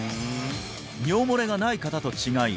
尿もれがない方と違い